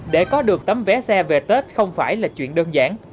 để có được tấm vé xe về tết không phải là chuyện đơn giản